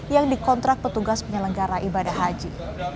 yang dikontrak petugas penyelenggara ibadah haji